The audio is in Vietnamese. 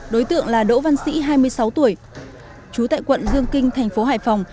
đối tượng là đỗ văn sĩ hai mươi sáu tuổi trú tại quận dương kinh thành phố hải phòng